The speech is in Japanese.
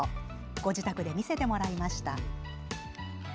ご自宅で見せてもらいました。